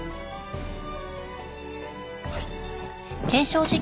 はい。